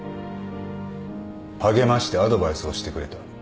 励ましてアドバイスをしてくれた。